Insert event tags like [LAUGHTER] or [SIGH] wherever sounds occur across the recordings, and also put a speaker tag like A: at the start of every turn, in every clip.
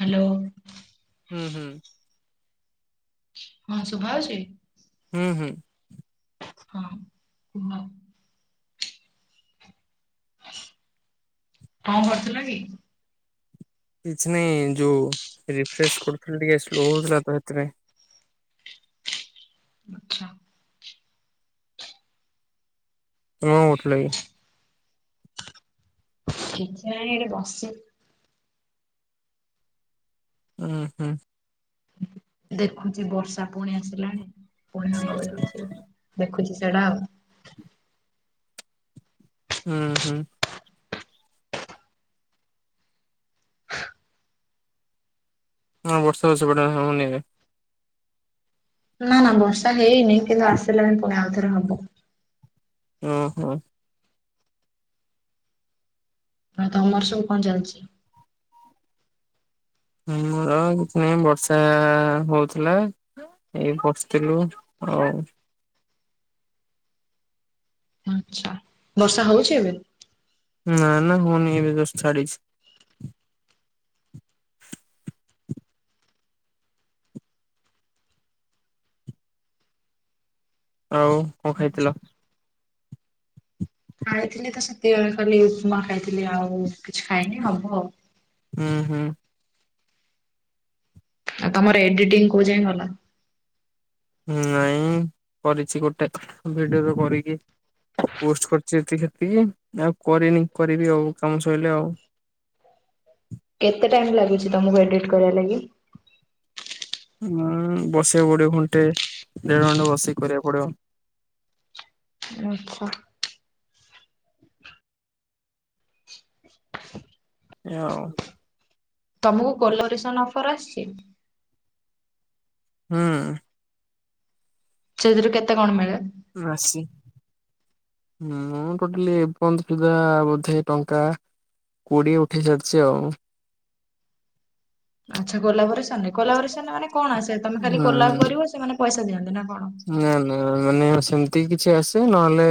A: Hello.
B: ହୁଁ ହୁଁ।
A: ହଁ ଶୁଭା ହଉଚି?
B: ହୁଁ ହୁଁ।
A: ହଁ, କୁହ? କଣ କରୁଥିଲ କି?
B: କିଛି ନାଇଁ ଯୋଉ ରିଫ୍ରେସ କରୁଥିଲ ଟିକେ ସ୍ଲୋ ହଉଥିଲା ତ ସେଥିପାଇଁ
A: ଆଛା।
B: ତମେ କଣ କରୁଥିଲ କି?
A: କିଛି ନାଇଁ ଏଠି ବସିଛି।
B: ହୁଁ ହୁଁ।
A: ଦେଖୁଛି ବର୍ଷା ପୁଣି ଆସିଲାଣି ପୁଣି ହବାକୁ ଯାଉଛି ଦେଖୁଛି ସେଇଟା ଆଉ
B: ହୁଁ ହୁଁ। ହଁ ବର୍ଷା ସେପଟେ ହୋଉନି ଏବେ
A: ନା ନା ବର୍ଷା ହେଇନି କିନ୍ତୁ ଆସିଲାଣି ପୁଣି ଆଉ ଥରେ ହବ
B: ଓ ହୋ।
A: ଆଉ ତମର ସବୁ କଣ ଚାଲିଛି?
B: ନାହିଁ ମୋର କିଛି ନାହିଁ ବର୍ଷା ହଉଥିଲା ଏଇ ବସିଥିଲୁ ଆଉ
A: ଆଛା ବର୍ଷା ହଉଛି ଏବେ?
B: ନା, ନା, ହଉନି ଏବେ ଜଷ୍ଟ ଛାଡିଛି। ଆଉ କଣ ଖାଇଥିଲ?
A: ଆଛା। ଖାଇଥିଲି ତ ସେତେବେଳେ କହିଲି ଉପମା ଖାଇଥିଲି ଆଉ କିଛି ଖାଇନି ହବ ଆଉ
B: ହୁଁ, ହୁଁ।
A: ଆଉ ତମର ଏଡିଟିଂ କୋଉ ଯାଏଁ ଗଲା?
B: ନାଇଁ କରିଛି ଗୋଟେ ଭିଡିଓ ରୁ କରିକି ପୋଷ୍ଟ କରିଛି ଏତିକି ସେତିକି ଆଉ କରିନି କରିବି ଆଉ କାମ ସଇଲେ ଆଉ।
A: କେତେ ଟାଇମ ଲାଗୁଛି ତମକୁ ଏଡିଟ କରିବା ଲାଗି?
B: ଉଁ ବସିବାକୁ ପଡିବ ଘଣ୍ଟେ ଦେଢ ଘଣ୍ଟେ ବସିକି କରିବାକୁ ପଡିବ।
A: ଆଛା।
B: ହଉ।
A: ତମକୁ କଲୋରେସନ ଅଫର ଆସିଛି?
B: ହଁ।
A: ସେଥିରୁ କେତେ କଣ ମିଳେ?
B: ରାଶି ହୁଁ ମୁଁ ଟୋଟାଲି ଏପର୍ଯ୍ୟନ୍ତ ସୁଧା ବୋଧେ ଟଙ୍କା କୋଡିଏ ଉଠେଇ ସାରିଛି ଆଉ।
A: ଆଛା କୋଲାପରେସନ କୋଲାପରେସନ ମାନେ କଣ ଆସେ ତମେ ଖାଲି
B: ହୁଁ
A: କୋଲାପ୍ କରିବ ସେମାନେ ପଇସା ଦିଅନ୍ତି ନା କଣ?
B: ନା, ନା, ମାନେ ସେମିତି କିଛି ଆସେ ନହେଲେ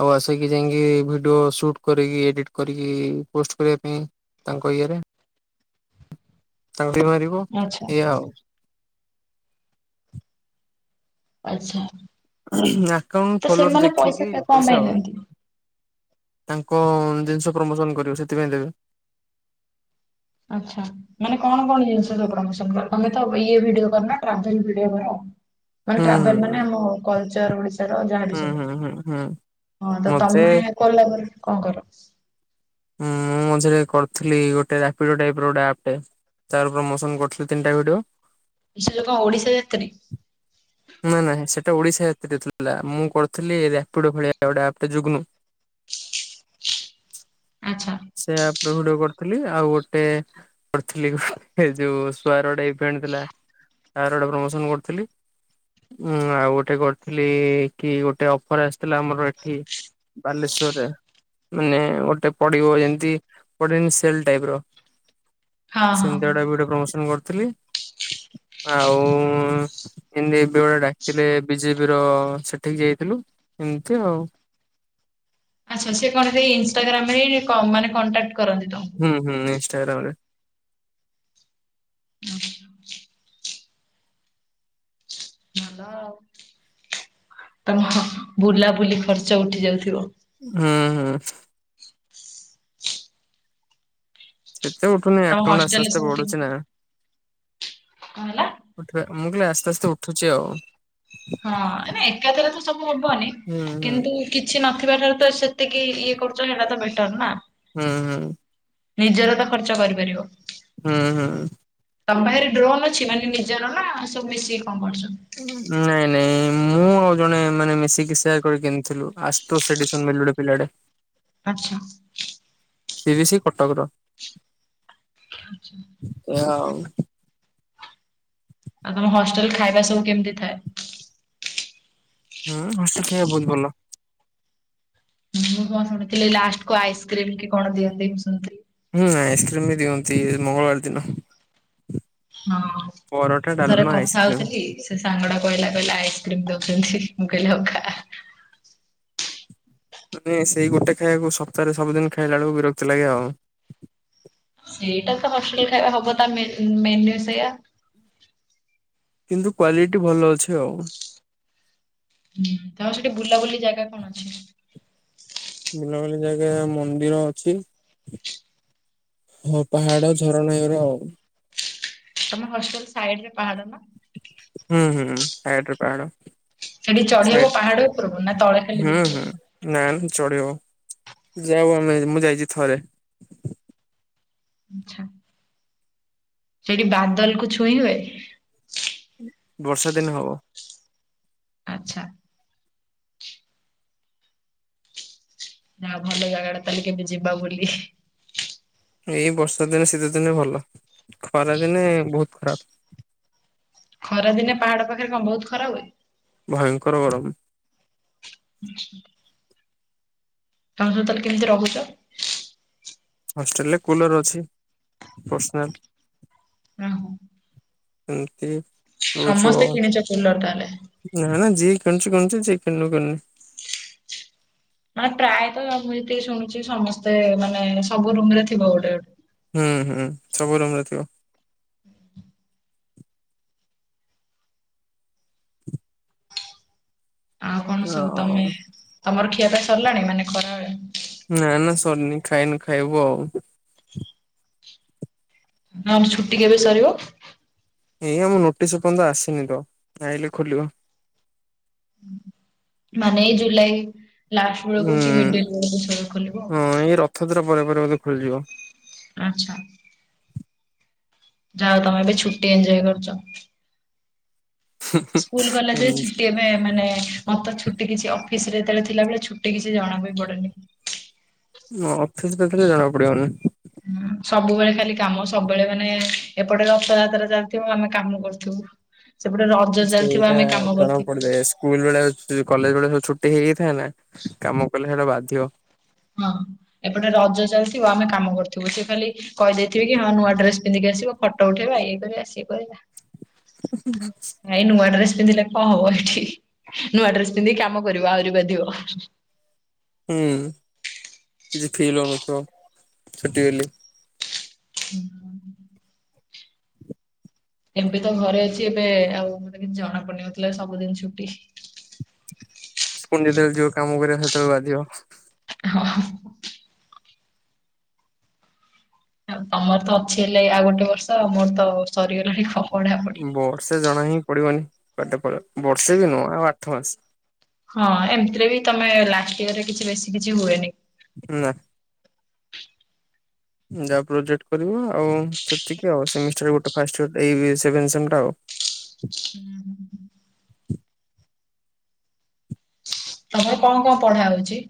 B: ଆଉ ଆସେକି ଯାଇଁକି ଭିଡିଓ ସୁଟ୍ କରିକି ଏଡିଟ୍ କରିକି ପୋଷ୍ଟ କରିବା ପାଇଁ। ତାଙ୍କ ଇଏରେ, ତାଙ୍କୁ ମାରିବ
A: ଆଚ୍ଛା
B: ଏଇୟା ଆଉ।
A: ଆଛା,
B: ଆକାଉଣ୍ଟ
A: ତ
B: ଫଲୋର୍ସ
A: ସେମାନେ
B: ଦେଖିକି
A: ପଇସାଟା କଣ
B: ପଇସା
A: ପାଇଁ
B: ଆଉ।
A: ଦିଅନ୍ତି?
B: ତାଙ୍କ ଜିନିଷ ପ୍ରମୋସନ୍ କରିବ ସେଥିପାଇଁ ଦେବେ।
A: ଆଚ୍ଛା। ମାନେ କଣ କଣ ଜିନିଷ ସବୁ ପ୍ରମୋସନ କର, ତମେ ତ ଇଏ ଭିଡିଓ କର ନା, ଟ୍ରାବେଲ୍ ଭିଡିଓ କର। ମାନେ
B: ହୁଁ
A: ଟ୍ରାବେଲ୍
B: ହୁଁ
A: ମାନେ ଆମ କଲଚର୍ ଓଡିଶାର ଯାହାବି
B: ହୁଁ
A: ସବୁ।
B: ହୁଁ ହୁଁ ହୁଁ, [UNINTELLIGIBLE]
A: କଲା ପରେ କଣ କର?
B: ଉଁ-ଉଁ ମୁଁ ମଝିରେ କରୁଥିଲି ଗୋଟେ ରାପିଡୋ ଟାଇପର୍ ଗୋଟେ ଆପ୍ ଟେ। ତାର ପ୍ରମୋସନ କରିଥିଲି ତିନିଟା ଭିଡିଓ।
A: ସେ ସବୁ କଣ ଓଡିଶା ଯାତ୍ରୀ?
B: ନା-ନା, ସେଟା ଓଡିଶା ଯାତ୍ରୀ ନ ଥିଲା ମୁଁ କରିଥିଲି ରାପିଡୋ ଭଳିଆ ଗୋଟେ ଆପ୍ ଟେ ଯୁଗନୁ।
A: ଆଚ୍ଛା।
B: ସେ ଆପ୍ ର ଗୋଟେ କରିଥିଲି ଆଉ ଗୋଟେ ପଥିଲି ଏ ଯୋଉ ଶୁଆରଟେ ଇଭେଣ୍ ଥିଲା। ତାର ଗୋଟେ ପ୍ରମୋସନ୍ କରିଥିଲି। ଉଁ ଆଉ ଗୋଟେ କରିଥିଲି କି ଗୋଟେ ଅଫର ଆସିଥିଲା ଆମର ଏଠି ବାଲେଶ୍ଵରରେ ମାନେ ଗୋଟେ ପ ଥିବ ଯେମିତି ପଡ଼େନି ସେଲ୍ ଟାଇପ୍ ର।
A: ହଁ ହଁ।
B: ସେମିତି ଟାଇପ୍ ର ଗୋଟେ ପ୍ରମୋସନ କରିଥିଲି, ଆଉ ଏମିତି ବେଳେ ବେଳେ ଡାକିଥିଲେ ବିଜେପି ର ସେଠିକି ଯାଇଥିଲୁ, ଏମିତି ଆଉ।
A: ଆଛା ସେ କଣ ସେ ଇନଷ୍ଟାଗ୍ରାମ ରେ ମାନେ କଣ୍ଟାକ୍ଟ କରନ୍ତି ତମ
B: ହୁଁ, ହୁଁ, ଇନଷ୍ଟାଗ୍ରାମ ରେ।
A: ଭଲ ଭଲ ଆଉ ତମ ବୁଲାବୁଲି ଖର୍ଚ୍ଚ ଉଠି ଯାଉଥିବ।
B: ହୁଁ ହୁଁ। କେତେ ଉଠୁନି
A: ତମ
B: ଆକାଉଣ୍ଟ ଆସ୍ତେ
A: ହଷ୍ଟେଲରେ
B: ଆସ୍ତେ
A: ସବୁ
B: ବଢୁଚି ନା।
A: କେମିତି ହେଲା।
B: ଉଠିବା ମୁଁ କହିଲି ଆସ୍ତେ ଆସ୍ତେ ଉଠୁଚି ଆଉ।
A: ହଁ ଏକାଥରେ ତ ସବୁ ହବନି
B: ହୁଁ
A: କିନ୍ତୁ କିଛି ନଥିବା ଠାରୁ ତ ସେତିକି ଇଏ କରୁଚ ସେଇଟା ତ ବେଟର ନା।
B: ହୁଁ ହୁଁ।
A: ନିଜର ତ ଖର୍ଚ୍ଚ କରିପାରିବ।
B: ହୁଁ ହୁଁ।
A: ତମ ପାଖରେ ଡ୍ରୋନ୍ ଅଛି ମାନେ ନିଜର ନା ସବୁ ମିଶିକି କଣ କରୁଚ।
B: ନାଇଁ ନାଇଁ ମୁଁ ଆଉ ଜଣେ ମାନେ ମିଶିକି ସେୟାର କରି କିଣିଥିଲୁ ଆ ତ ସେ ପିଲାଡେ
A: ଆଚ୍ଛା।
B: ତିରିଶି କଟକର।
A: ଆଚ୍ଛା।
B: [UNINTELLIGIBLE]
A: ଆଉ ତମ ହଷ୍ଟେଲରେ ଖାଇବା ସବୁ କେମିତି ଥାଏ।
B: ହୁଁ ହସି ଖାଇବା ବୋହୁତ ଭଲ।
A: ମୁଁ କଣ ଶୁଣିଥିଲି ଲାଷ୍ଟ କୁ ଆଇସ୍କ୍ରିମ କି କଣ ଦିଅନ୍ତି, ମୁଁ ଶୁଣି
B: ହୁଁ ଆଇସ୍କ୍ରିମ ବି ଦିଅନ୍ତି ମଙ୍ଗଳବାର ଦିନ।
A: ହଁ
B: ପରଟା
A: ମୁଁ ଥରେ
B: ଡାଲମା
A: କଥା
B: ଆଇସ୍କ୍ରିମ।
A: ହୋଉଥିଲି। ସାଙ୍ଗଟା କହିଲା କହିଲା ଆଇସ୍କ୍ରିମ ଦୋଉଚନ୍ତି ମୁଁ କହିଲି ହୋଉ ଆ।
B: ମାନେ ସେଇ ଗୋଟେ ଖାଇବାକୁ ସପ୍ତାହରେ ସବୁଦିନ ଖାଇଲା ବେଳକୁ ବିରକ୍ତ ଲାଗେ ଆଉ।
A: ସେଇଟା ତ ହଷ୍ଟେଲ ଖାଇବା ହବ ତା ମେନୁ ମେନ୍ୟୁ ସେଇୟା।
B: କିନ୍ତୁ କ୍ଵାଲିଟି ଭଲ ଅଛି ଆଉ।
A: ହୁଁ ତମର ସେଠି ବୁଲାବୁଲି ଜାଗା କଣ ଅଛି?
B: ବୁଲାବୁଲି ଜାଗା ମନ୍ଦିର ଅଛି। ହଁ ପାହାଡ ଝରଣା ଏରାକ।
A: ତମେ ହଷ୍ଟେଲ ସାଇଡ ରେ ପାହାଡ ନା?
B: ହୁଁ ହୁଁ ସାଇଡ ରେ ପାହାଡ।
A: ସେଠି
B: ସାଇଡ
A: ଚଢେଇବ ପାହାଡ ଉପରକୁ ନା ତଳେ ଖେଲି
B: ହୁଁ
A: ଦେଖିବ।
B: ହୁଁ ନା ନା ଚଢିହବ ଯାଉ ଆମେ ମୁଁ ଯାଇଚି ଥରେ।
A: ଆଛା ସେଠି ବାଦଲ କୁ ଛୁଇଁ ହୁଏ?
B: ବର୍ଷା ଦିନ ହବ।
A: ଆଚ୍ଛା। ନା ଭଲ ଜାଗାଟା ତାହେଲେ କେବେ ଯିବା ବୁଲି।
B: ଏଇ ବର୍ଷା ଦିନେ ଶୀତ ଦିନେ ଭଲ, ଖରା ଦିନେ ବୋହୁତ ଖରାପ।
A: ଖରା ଦିନେ ପାହାଡ ପାଖରେ କଣ ବୋହୁତ ଖରା ହୁଏ?
B: ଭୟଙ୍କର ଗରମ।
A: ଆଛ। ତୋମେ ସବୁ ତାହେଲେ କେମିତି ରହୁଚ?
B: ହଷ୍ଟେଲ୍ ରେ କୁଲର୍ ଅଛି, ପର୍ସନାଲ।
A: ନା, ହଁ।
B: ସେମତି।
A: ସମସ୍ତେ କିଣିଚ କୁଲର୍ ତାହେଲେ?
B: ନା ନା ଯିଏ କିଣିଚୁ କିଣୁଚି ଯିଏ କିଣୁନି କିଣିନି।
A: ନା ପ୍ରାୟତ ମୁଁ ଯେତିକି ଶୁଣୁଛି ସମସ୍ତେ ମାନେ ସବୁ ରୁମ୍ ରେ ଥିବ ଗୋଟେ ଗୋଟେ
B: ହୁଁ, ହୁଁ, ସବୁ ରୁମ୍ ରେ ଥିବ।
A: ଆଉ କଣ ସବୁ
B: ଓ
A: ତୋମେ ତୋମର ଖିଆ ପିଆ ସରିଲାଣି ମାନେ ଖରାବେଳେ?
B: ନା ନା ସରିନି, ଖାଇନୁ ଖାଇବୁ ଆଉ।
A: [UNINTELLIGIBLE] ଛୁଟି କେବେ ସରିବ?
B: ଏଇ ଆମ ନୋଟିସ୍ ଏପନ୍ତ ଆସିନି ତ ଆଇଲେ ଖୋଲିବ।
A: ମାନେ ଏଇ ଜୁଲାଇ ଲାଷ୍ଟ୍
B: ଉଁ
A: ବେଳକୁ କି ମିଡିଲ୍ ବେଳକୁ ସବୁ ଖୋଲିବ
B: ହଁ
A: ଆଉ।
B: [UNINTELLIGIBLE] ପରେ ପରେ ବୋଧେ ଖୋଲିଯିବ।
A: ଆଚ୍ଛା। ଯାଅ ତୋମେ ଏବେ ଛୁଟି ଏନଜୟ କରୁଛ। ସ୍କୁଲ୍ କଲେଜ୍ ରେ ଛୁଟି ଏବେ ମାନେ ମୋତେ ଛୁଟି କିଛି ଅଫିସ୍ ରେ ଯେତେବେଳେ ଥିଲାବେଳେ ଛୁଟି କିଛି ଜଣା ବି ପଡେନି।
B: ନା ଅଫିସ୍ ରେ ଥିଲେ ଜଣା ପଡିବନି।
A: ହଁ ସବୁବେଳେ ଖାଲି କାମ ସବୁବେଳେ ମାନେ ଏପଟେ ରଥଯାତ୍ରା ଚାଲିଥିବ ଆମେ କାମ କରଥିବୁ। ସେପଟେ ରଜ ଚାଲିଥିବ ଆମେ କାମ କରଥିବୁ।
B: ସ୍କୁଲ୍ ବେଳେ ସେ ଯୋଉ କଲେଜ୍ ବେଳେ ସବୁ ଛୁଟି ହେଇଯାଇଥାଏ ନା କାମ କଲେ ସେଟା ବାଧିବ।
A: ହଁ ଏପଟେ ରଜ ଚାଲିଥିବ ଆମେ କାମ କରଥିବୁ। ସେ ଖାଲି କହିଦେଇଥିବି କି ହଁ ନୂଆ ଡ୍ରେସ୍ ପିନ୍ଧିକି ଆସିବ ଫଟୋ ଉଠେଇବା ଇଏ କରିବା ସିଏ କରିବା।
B: [INAUDIBLE]
A: ଭାଇ ନୂଆ ଡ୍ରେସ୍ ପିନ୍ଧିଲେ କଣ ହବ ଏଠି। ନୂଆ ଡ୍ରେସ୍ ପିନ୍ଧିକି କାମ କରିବ ଆହୁରି ବାଧିବ।
B: ହୁଁ, କିଛି ଫିଲ୍ ହଉନଥିବ ଛୁଟି ବୋଲି।
A: [INAUDIBLE] ଏବେ ତ ଘରେ ଅଛି ଏବେ ଆଉ ମୋତେ କିଛି ଜଣାପଡୁନି। ମୋତେ ଲାଗୁଚି ସବୁଦିନ ଛୁଟି।
B: ପୁଣି ଯେତେବେଳେ ଯିବ କାମ କରିବା ସେତେବେଳେ ବାଧିବ।
A: ହଁ, ହଁ। ଆଉ ତୋମର ତ ଅଛି ହେଲେ ଆଉ ଗୋଟେ ବର୍ଷ ମୋର ତ ସରିଗଲାଣି ଆଉ।
B: ବର୍ଷେ ଜଣା ହିଁ ପଡିବନି କୁଆଡେ ପଳେଇବ। ବର୍ଷେ ବି ନୁହଁ ଆଉ ଆଠ ମାସ।
A: ହଁ ଏମିତିରେ ବି ତୋମେ ଲାଷ୍ଟ ଇୟର୍ ରେ କିଛି ବେଶୀ କିଛି ହୁଏନି।
B: ନା। ଯାହା ପ୍ରୋଜେକ୍ଟ କରିବ ଆଉ ସେତିକି ଆଉ ସେମିଷ୍ଟାର ଗୋଟେ ଫାଷ୍ଟ ଇୟର୍ ଏଇ ବି ସେଭେନ୍ ସେମ୍ ଟା ଆଉ।
A: ହୁଁ ହୁଁ। ତୋମର କଣ କଣ ପଢା ହଉଚି?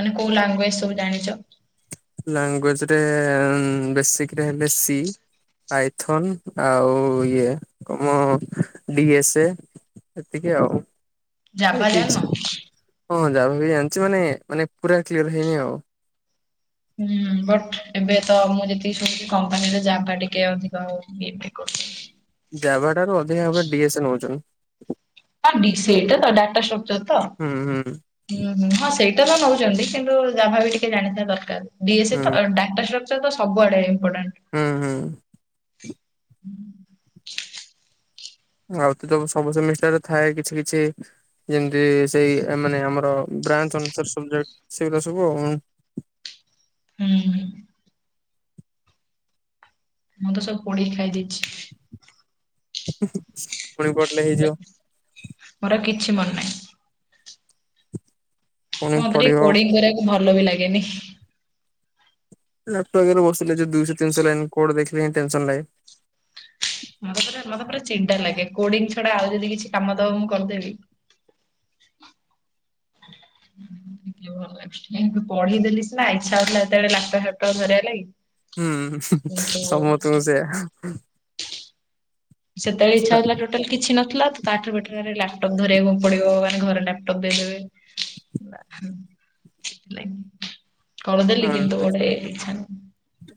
A: ମାନେ କୋଉ ଲାଙ୍ଗୁଏଜ୍ ସବୁ ଜାଣିଚ?
B: ଲାଙ୍ଗୁଏଜ୍ ରେ ବେସିକ୍ ରେ ହେଲେ ସି। ପାଇଥୋନ୍ ଆଉ ଇଏ କମ ଡି ଏସ୍ ଏ। ସେତିକି ଆଉ।
A: ଜାଭା
B: ଏଇତ
A: ଜାଣିନ?
B: ଇଚ୍ଛା ହଁ ଜାଭା ବି ଜାଣିଚି ମାନେ ମାନେ ପୁରା କ୍ଲିୟର୍ ହେଇନି ଆଉ।
A: ହୁଁ ବଟ୍ ଏବେ ତ ମୁଁ ଯେତିକି ଶୁଣିଚି କମ୍ପାନୀରେ ଜାଭା ଟିକେ ଅଧିକ ଆଉ ଇଏ ଦେଖୁ
B: ଜାଭା ଠାରୁ ଅଧିକା ଏବେ ଡି ଏସ୍ ଏ ନୋଉଚନ୍।
A: ହଁ ଡି ସେଇଟା ତ ଡାଟା ଷ୍ଟ୍ରୋକ୍ଚର ତ?
B: ହୁଁ, ହୁଁ।
A: ହୁଁ, ହୁଁ, ହଁ ସେଇଟା ତ ନଉଚନ୍ତି। କିନ୍ତୁ ଜାଭା ବି ଟିକେ ଜାଣିଥିବା ଦରକାର। ଡି ଏସ୍ଏ
B: ହୁଁ
A: ତ ଅ, ଡା ଟା ଷ୍ଟ୍ରୋକ୍ଚର୍ ସବୁଆଡେ ଇମ୍ପୋଟାଣ୍ଟ।
B: ହୁଁ, ହୁଁ। ଆଉ ତ ତ ସବୁ ସେମିଷ୍ଟାରେ ଥାଏ କିଛି କିଛି। ଯେମିତି ସେଇ ଆ, ମାନେ ଆମର ବ୍ରାଞ୍ଚ ଅନୁସାରେ ସବଜେକ୍ଟ ସେଗୁରା ସବୁ ଆଉ।
A: ହୁଁ ହୁଁ। ମୁଁ ତ ସବୁ ପୋଡିକି ଖାଇ ଦେଇଛି।
B: ପୁଣି ପଢ଼ିଲେ ହେଇଯିବ।
A: ମୋର ଆଉ କିଛି ମନେ ନାହିଁ।
B: ପୁଣି
A: ମତେ ଟିକେ
B: ପଢିବ
A: କୋଡିଙ୍ଗ କରିବାକୁ ଭଲ ବି ଲାଗେନି।
B: ଲାପଟପ୍ ଆଗରେ ବସିଲେ ଯେ ଦୁଇଶହ ତିନିଶହ ଲାଇନ କୋଡ଼ ଦେଖିଲେ ଯାଇଁ ଟେନସନ ଲାଗେ।
A: ମତେ ପୁରା ମତେ ପୁରା ଚିଡ଼ା ଲାଗେ। କୋଡିଂ ଛଡା ଆଉ ଯଦି କିଛି କାମ ଦବ ମୁଁ କରିଦେବି ନାଇଁ ମତେ ଟିକେ ଭଲ ଲାଗେ। ପଢେଇ ଦେଲି ସିନା ଇଚ୍ଛା ହଉଥିଲା ହେତେବେଳେ ଲାପଟପ ଫ୍ୟାପଟପ ଧରିବା ଲାଗି
B: ହୁଁ
A: କିନ୍ତୁ
B: ସମସ୍ତଙ୍କୁ ସେଇଆ।
A: ସେତେଳେ ଇଚ୍ଛା ହଉଥିଲା ଟୋଟାଲି କିଛି ନଥିଲା, ତ ତାଠାରୁ ବେଟର ଆରେ ଲାପଟପ ଧରିବାକୁ ପଡିବ, ମାନେ ଘରେ ଲାପଟପ୍ ଦେଇଦେବେ କରିଦେଲି କିନ୍ତୁ ଗୋଟେ ଇଚ୍ଛା ନଥିଲା।
B: ହ [UNINTELLIGIBLE]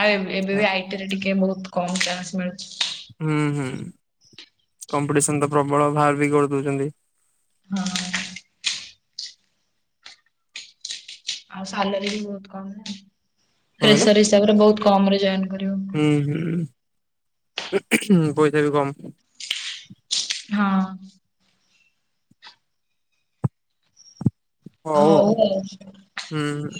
A: ଆଉ ଏବ-ଏବେ ବି ଆଇ ଟି ରେ ଟିକେ ବହୁତ କମ ଚାନ୍ସ ମିଳୁଛି।
B: ହୁଁ ହୁଁ। କମ୍ପିଟିସନ ତ ପ୍ରବଳ, ଭାର ବି କରିଦଉଛନ୍ତି।
A: ହଁ-ଅଁ-ଅଁ। ଆଉ ସାଲାରି ବି ବହୁତ କମ୍ ନା।
B: କଣ କହିଲ?
A: ଫ୍ରେସର ହିସାବରେ ବହୁତ କମ୍ ରେ ଜଏନ କରିବ।
B: ହୁଁ ହୁଁ, ପଇସା ବି କମ।
A: ହଁ-ଅଁ-ଅଁ।
B: ହଉ ଆଉ ହୁଁ ହୁଁ।